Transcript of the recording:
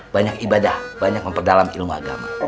banyak ibadah banyak memperdalam ilmu agama